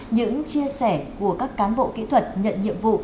những chia sẻ của các cán bộ kỹ thuật nhận nhiệm vụ